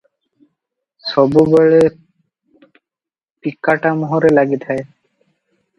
ସବୁବେଳେ ପିକାଟା ମୁହଁରେ ଲାଗିଥାଏ ।